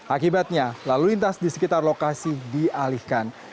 akibatnya lalu lintas di sekitar lokasi dialihkan